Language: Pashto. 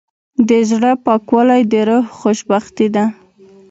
د زړه پاکوالی د روح خوشبختي ده.